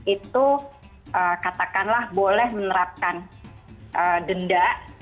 itu katakanlah boleh menerapkan denda